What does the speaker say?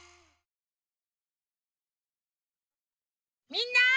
みんな！